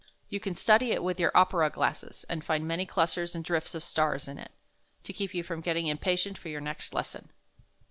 You can study it with your opera glasses, and find many clusters and drifts of stars in it, to keep you from getting impatient for your next lesson."